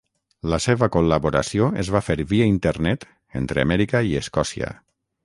La seva col·laboració es va fer via Internet entre Amèrica i Escòcia.